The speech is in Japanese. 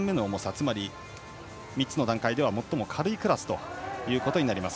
つまり３つの段階では最も軽いクラスとなります。